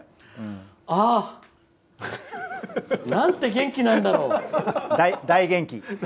ああなんて元気なんだろう！